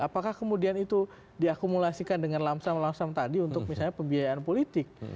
apakah kemudian itu diakumulasikan dengan lamsam lamsam tadi untuk misalnya pembiayaan politik